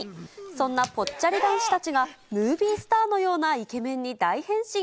そんなぽっちゃり男子たちが、ムービースターのようなイケメンに大変身。